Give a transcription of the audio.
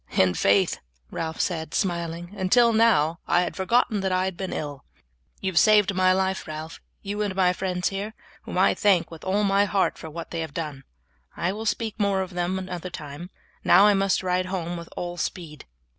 "In faith," Ralph said, smiling, "until now I had forgotten that I had been ill." "You have saved my life, Ralph, you and my friends here, whom I thank with all my heart for what they have done. I will speak more to them another time, now I must ride home with all speed."